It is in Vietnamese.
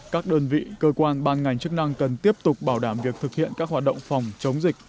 các đơn vị cơ quan ban ngành chức năng cần tiếp tục bảo đảm việc thực hiện các hoạt động phòng chống dịch